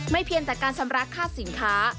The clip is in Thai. ไม่เพียนแต่การชำระค่าสินค้า